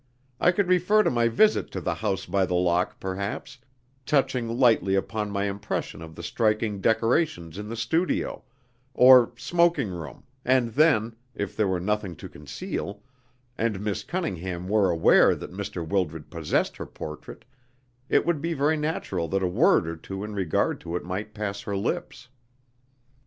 I could refer to my visit to the House by the Lock perhaps, touching lightly upon my impression of the striking decorations in the studio, or smoking room, and then, if there were nothing to conceal, and Miss Cunningham were aware that Mr. Wildred possessed her portrait, it would be very natural that a word or two in regard to it might pass her lips.